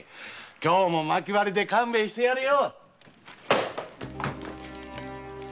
今日もマキ割りで勘弁してやるよ。